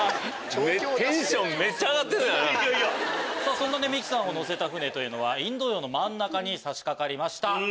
そんな三木さんを乗せた船はインド洋の真ん中に差しかかりました。